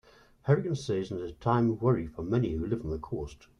Hurricane season is a time of worry for many who live on the coast.